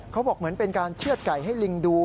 เขาบอกเหมือนเป็นการเชื่อดไก่ให้ลิงดู